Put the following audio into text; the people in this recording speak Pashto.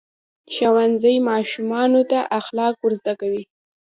ښوونځی ماشومانو ته اخلاق ورزده کوي.